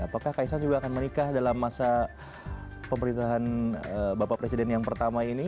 apakah kaisang juga akan menikah dalam masa pemerintahan bapak presiden yang pertama ini